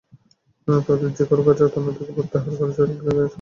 তাঁদের ঝিকরগাছা থানা থেকে প্রত্যাহার করে যশোর পুলিশ লাইনে সংযুক্ত করা হয়েছে।